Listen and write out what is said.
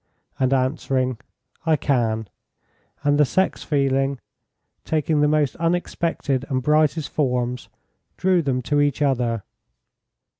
and answering, "I can," and the sex feeling, taking the most unexpected and brightest forms, drew them to each other.